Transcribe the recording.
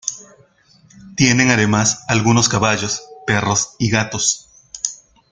Tienen además algunos caballos, perros y gatos.